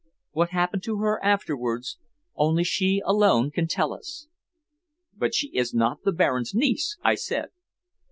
What happened to her afterwards only she alone can tell us." "But she is not the Baron's niece?" I said.